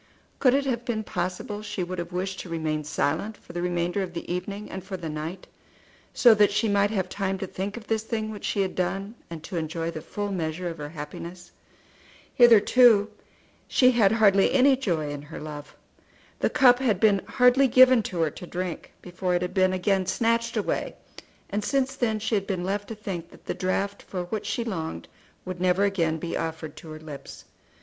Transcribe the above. Could it have been possible she would have wished to remain silent for the remainder of the evening and for the night, so that she might have time to think of this thing which she had done, and to enjoy the full measure of her happiness. Hitherto she had hardly had any joy in her love. The cup had been hardly given to her to drink before it had been again snatched away, and since then she had been left to think that the draught for which she longed would never again be offered to her lips.